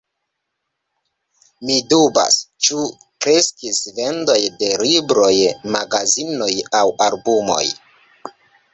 Mi dubas, ĉu kreskis vendoj de libroj, magazinoj aŭ albumoj.